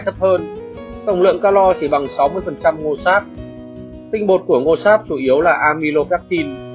thấp hơn tổng lượng calo chỉ bằng sáu mươi ngô sáp tinh bột của ngô sáp chủ yếu là amylocartin